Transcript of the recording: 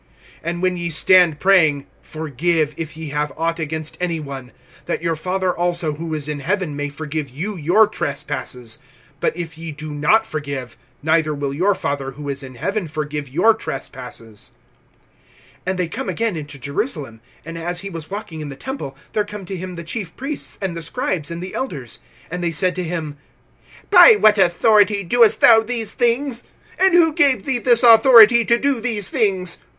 (25)And when ye stand praying, forgive, if ye have aught against any one; that your Father also who is in heaven may forgive you your trespasses. (26)But if ye do not forgive, neither will your Father who is in heaven forgive your trespasses[11:26]. (27)And they come again into Jerusalem. And as he was walking in the temple, there come to him the chief priests, and the scribes, and the elders. (28)And they said to him: By what authority doest thou these things? And who gave thee this authority, to do these things?